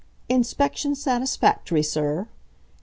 "Inspection satisfactory, sir?"